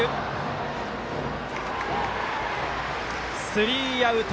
スリーアウト。